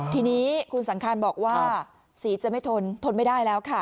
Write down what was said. ทีนี้คุณสังคารบอกว่าสีจะไม่ทนทนไม่ได้แล้วค่ะ